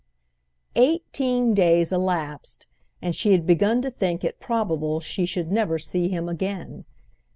Eighteen days elapsed, and she had begun to think it probable she should never see him again.